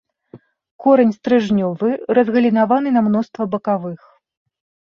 Корань стрыжнёвы, разгалінаваны на мноства бакавых.